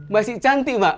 masih cantik ma